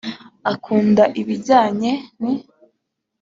Akunda ibijyanye n